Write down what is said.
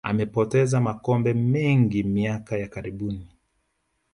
amepoteza makombe mengi miaka ya karibuni